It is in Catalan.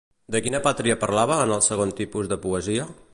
De quina pàtria parlava en el segon tipus de poesia?